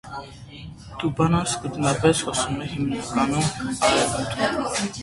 Դուբնան սկզբնապես հոսում է հիմնականում արևմուտք։